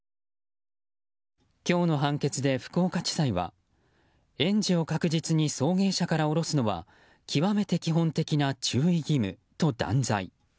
今日の判決で福岡地裁は園児を確実に送迎車から降ろすのは極めて基本的な注意義務と断罪。